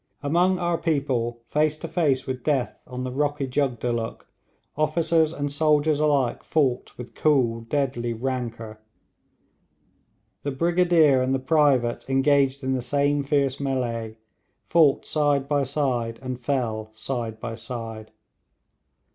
Among our people, face to face with death on the rocky Jugdulluk, officers and soldiers alike fought with cool deadly rancour. The brigadier and the private engaged in the same fierce mêlée, fought side by side, and fell side by side.